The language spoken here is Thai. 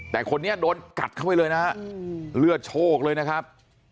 แต่คนนี้โดนกัดเข้าไปเลยนะฮะเลือดโชคเลยนะครับ